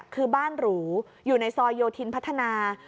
คือบ้านหรูอยู่ในซอยโยธินพัฒนา